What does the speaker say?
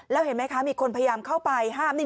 แล้วเห็นมั้ยคะมีคนพยายามเข้าไป